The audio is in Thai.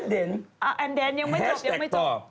แดดเด่นยังไม่จบยังไม่จบแฮชแท็กต่อ